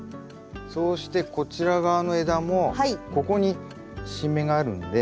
そうしてこちら側の枝もここに新芽があるんで。